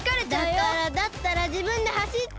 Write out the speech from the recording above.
だからだったらじぶんではしってよ！